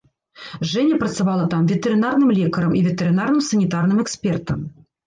Жэня працавала там ветэрынарным лекарам і ветэрынарным санітарным экспертам.